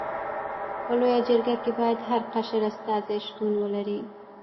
په لويه جرګه کي باید هر قشر استازي شتون ولري.